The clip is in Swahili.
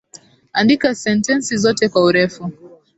Andika sentensi zote kwa urefu.